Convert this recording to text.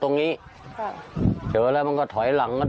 ตรงนี้เจอแล้วมันก็ถ่อยหลังเนี่ย